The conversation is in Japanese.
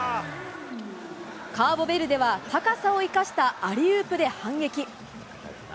カーボベルデは高さを生かしたアリウープで反撃。